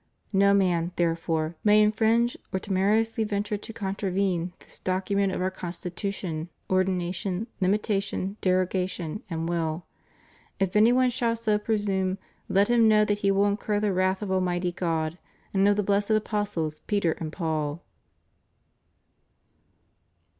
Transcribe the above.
No man, therefore, may infringe or temerariously ven ture to contravene this document of Our constitution, ordination, limitation, derogation, and will. If any one shall so presume, let him know that he will incur the wrath of Almighty God, and of the blessed apostles Peter and Paul.